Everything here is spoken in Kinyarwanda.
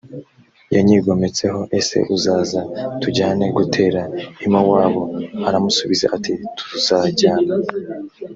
yanyigometseho ese uzaza tujyane gutera i mowabu aramusubiza ati tuzajyana